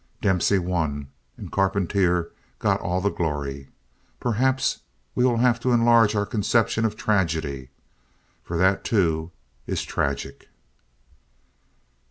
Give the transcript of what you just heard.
Dempsey won and Carpentier got all the glory. Perhaps we will have to enlarge our conception of tragedy, for that too is tragic.